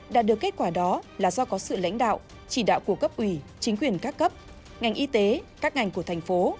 đạt được kết quả đó là do có sự lãnh đạo chỉ đạo của cấp ủy chính quyền các cấp ngành y tế các ngành của thành phố